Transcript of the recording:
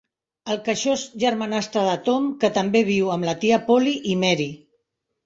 El queixós germanastre de Tom, que també viu amb la tia Polly i Mary.